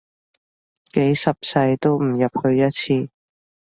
幾十世都唔入去一次